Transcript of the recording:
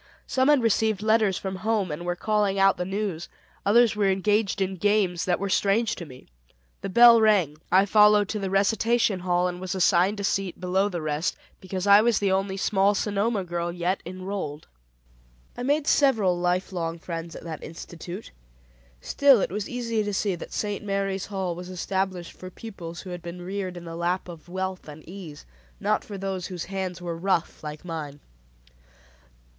Some had received letters from home and were calling out the news; others were engaged in games that were strange to me. The bell rang, I followed to the recitation hall, and was assigned a seat below the rest, because I was the only small Sonoma girl yet enrolled. I made several life long friends at that institute; still it was easy to see that "St. Mary's Hall" was established for pupils who had been reared in the lap of wealth and ease; not for those whose hands were rough like mine.